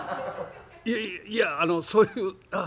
「いえいやあのそういうあっ